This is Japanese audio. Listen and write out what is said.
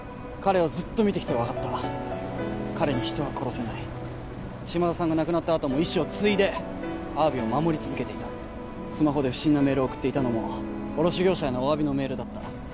彼をずっと見てきて分かった彼に人は殺せない島田さんが亡くなったあとも遺志を継いでアワビを守り続けていたスマホで不審なメールを送っていたのも卸業者へのお詫びのメールだった